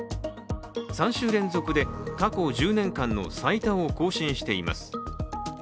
３週連続で過去１０年間の最多を更新しています。